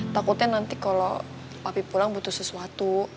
takutnya nanti kalau api pulang butuh sesuatu